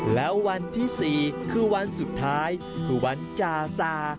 แล้ววันที่๔คือวันสุดท้ายคือวันจาซา